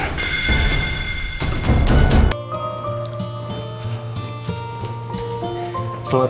gua gak akan biarin